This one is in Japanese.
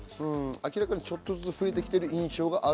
明らかにちょっとずつ増えてきている印象がある。